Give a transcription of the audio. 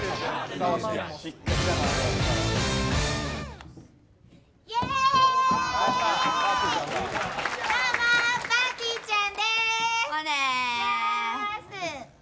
どうもぱーてぃーちゃんです。